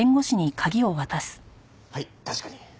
はい確かに。